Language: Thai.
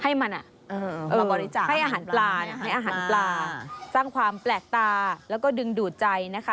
ให้มันอ่ะเออให้อาหารปลาเนี่ยสร้างความแปลกตาและดึงดูดใจนะคะ